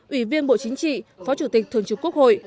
ủy viên bộ chính trị phó chủ tịch thường trực quốc hội